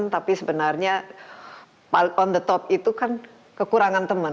tapi sebenarnya on the top itu kan kekurangan teman